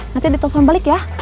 nanti ditelpon balik ya